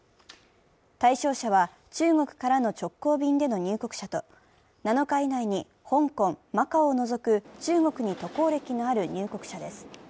対象者は、中国からの直行便での入国者と７日以内に香港・マカオを除く中国に渡航歴のある入国者です。